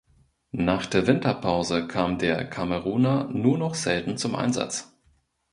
Nach der Winterpause kam der Kameruner nur noch selten zum Einsatz.